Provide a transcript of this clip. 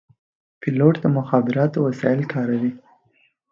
پیلوټ د مخابراتو وسایل کاروي.